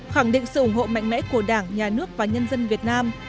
khẳng định sự ủng hộ mạnh mẽ của đảng nhà nước và nhân dân việt nam